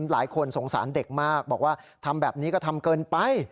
หลายคนสงสารเด็กมากบอกว่าทำแบบนี้ก็ทำเกินไป